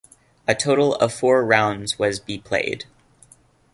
A total of four rounds was be played.